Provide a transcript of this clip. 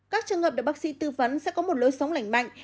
các trường hợp được bác sĩ tư vấn sẽ có một lối sống lành mạnh